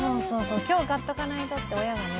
今日買っとかないとって親がね。